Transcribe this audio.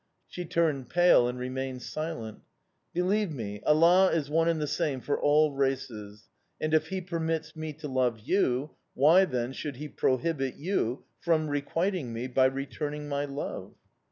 "She turned pale and remained silent. "'Believe me, Allah is one and the same for all races; and, if he permits me to love you, why, then, should he prohibit you from requiting me by returning my love?